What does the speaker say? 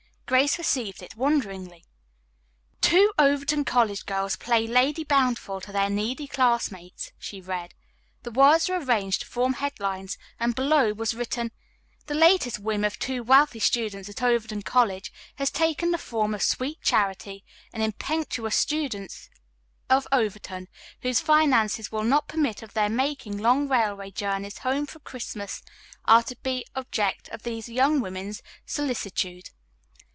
Grace received it wonderingly: "Two Overton College Girls Play Lady Bountiful to Their Needy Classmates," she read. The words were arranged to form headlines, and below was written: "The latest whim of two wealthy students of Overton College has taken the form of Sweet Charity, and impecunious students of Overton whose finances will not permit of their making long railway journeys home for Christmas are to be the object of these young women's solicitude.